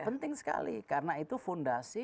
penting sekali karena itu fondasi